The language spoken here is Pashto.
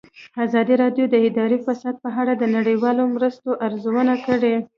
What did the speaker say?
ازادي راډیو د اداري فساد په اړه د نړیوالو مرستو ارزونه کړې.